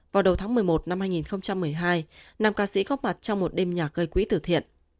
vào đầu tháng một mươi một năm hai nghìn một mươi hai nam ca sĩ góp mặt trong một đêm nhạc gây quỹ tử thiện